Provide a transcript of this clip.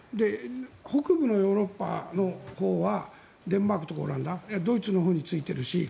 北部のヨーロッパのほうはデンマークとかオランダはドイツのほうについているし。